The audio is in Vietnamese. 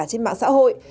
trên mạng xã hội